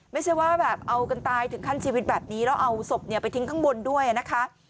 ไม่ใช่ว่าแบบเอากันตายถึงขั้นชีวิตแบบนี้แล้วเอาศพไปทิ้งข้างบนด้วยนะคะ